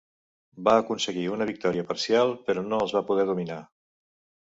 Va aconseguir una victòria parcial, però no els va poder dominar.